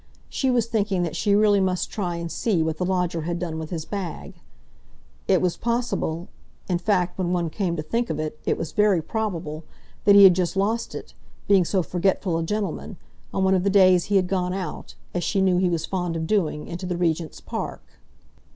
She was thinking that she really must try and see what the lodger had done with his bag. It was possible—in fact, when one came to think of it, it was very probable—that he had just lost it, being so forgetful a gentleman, on one of the days he had gone out, as she knew he was fond of doing, into the Regent's Park.